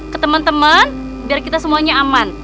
ke temen temen biar kita semuanya aman